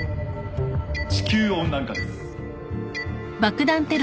地球温暖化です。